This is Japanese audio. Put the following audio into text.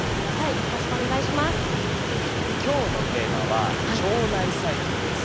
今日のテーマは「腸内細菌」です。